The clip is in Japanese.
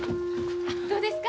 どうですか？